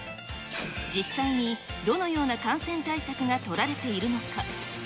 実際にどのような感染対策が取られているのか。